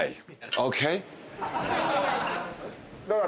ＯＫ。